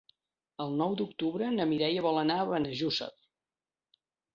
El nou d'octubre na Mireia vol anar a Benejússer.